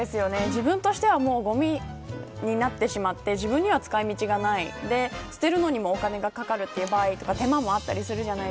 自分としてはごみになってしまって自分には、使い道がない捨てるのもお金がかかるという手間もあります。